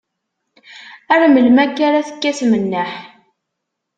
Ar melmi akka ara tekkatem nneḥ?